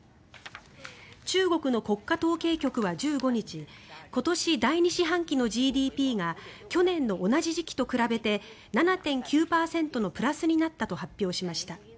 中国の国家統計局は１５日今年第２四半期のＧＤＰが去年の同じ時期と比べて７．９％のプラスになったと発表しました。